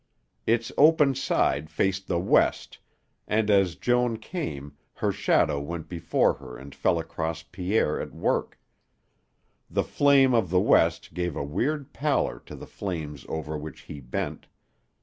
Its open side faced the west, and, as Joan came, her shadow went before her and fell across Pierre at work. The flame of the west gave a weird pallor to the flames over which he bent.